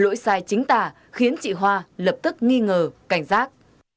lỗi sai chính tả khiến chị hoa lập tức nghi ngờ cảnh giác